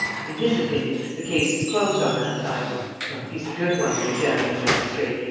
In his opinion the case is closed on that side. Well, he's a good one, the examining magistrate!